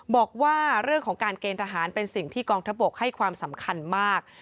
บอกว่าเรื่องของการเกณฑ์ทหารเป็นสิ่งที่กองทบกให้ความสำคัญมาก